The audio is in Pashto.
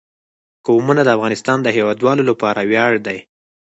قومونه د افغانستان د هیوادوالو لپاره ویاړ دی.